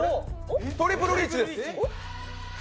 トリプルリーチです。